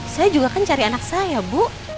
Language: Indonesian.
saya juga kan cari anak saya bu